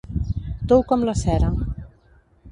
Tou com la cera.